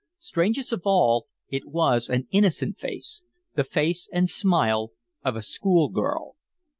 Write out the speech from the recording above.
Strangest of all, it was an innocent face, the face and smile of a school girl.